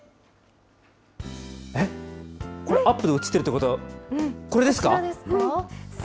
えっ、これ、アップで写っているということは、これですか？